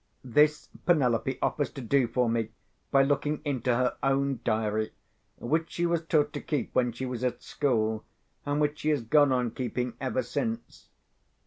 This Penelope offers to do for me by looking into her own diary, which she was taught to keep when she was at school, and which she has gone on keeping ever since.